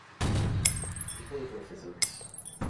Hijo de profesores.